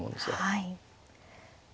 はい。